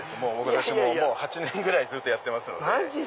私８年ぐらいずっとやってますので。